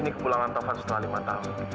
ini kebulangan taufan setelah lima tahun